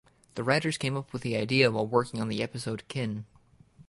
The writers came up with the idea while working on the episode "Kin".